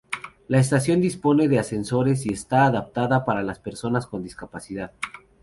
La estación dispone de ascensores y está adaptada para las personas con discapacidad.